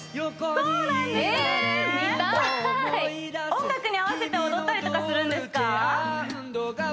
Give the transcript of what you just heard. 音楽に合わせて踊ったりとかするんですか？